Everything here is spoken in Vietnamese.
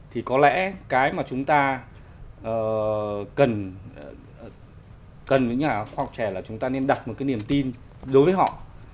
thì có lẽ cái mà chúng ta cần với nhà khoa học trẻ là chúng ta nên đặt một cái niềm tin đối với họ